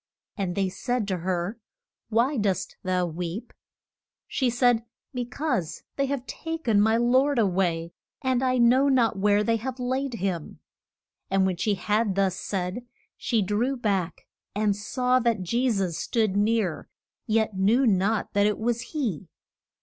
And they said to her, Why dost thou weep? She said, Be cause they have ta ken my Lord a way, and I know not where they have laid him. And when she had thus said, she drew back and saw that Je sus stood near, yet knew not that it was he.